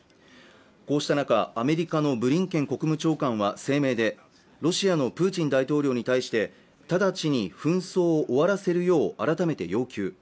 こうした中アメリカのブリンケン国務長官は声明でロシアのプーチン大統領に対して直ちに紛争を終わらせるよう改めて要求